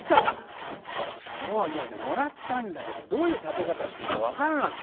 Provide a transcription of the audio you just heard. いやねもらったんだけどどういう食べ方していいか分からなくてね。